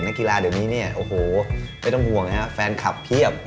เก่งนักกีฬาเดียวนี้เนี่ยโหววไม่ต้องห่วงนะฮะแฟนคับเพียบ